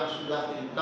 kalau sudah kita